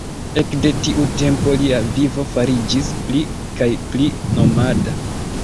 Ekde tiu tempo lia vivo fariĝis pli kaj pli nomada.